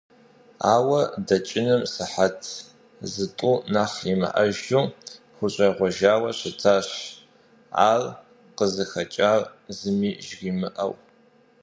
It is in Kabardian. Ауэ дэкӀыным сыхьэт зытӀу нэхъ имыӀэжу хущӀегъуэжауэ щытащ, ар къызыхэкӀар зыми жримыӀэу.